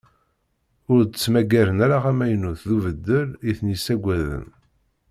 Ur d-ttmaggaren ara amaynut d ubeddel i ten-yessaggaden.